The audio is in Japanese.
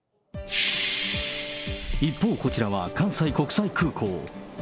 一方、こちらは関西国際空港。